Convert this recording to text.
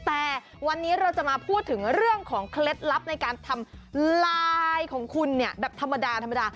แต่วันนี้เราจะมาพูดถึงเรื่องของเคล็ดลับในการทำลายของคุณเนี่ยแบบธรรมดาธรรมดา